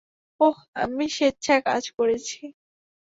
ওহ, আমি স্বেচ্ছায় কাজ করেছি।